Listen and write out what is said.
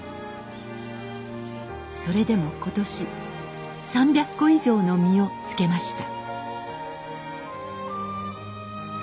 それでも今年３００個以上の実をつけました。